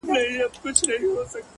هوډ د شکونو پر وړاندې درېدنه ده